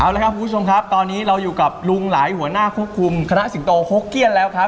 เอาละครับคุณผู้ชมครับตอนนี้เราอยู่กับลุงหลายหัวหน้าควบคุมคณะสิงโตหกเกี้ยนแล้วครับ